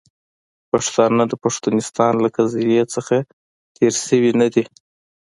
پښتانه د پښتونستان له قضیې نه تیر شوي نه دي .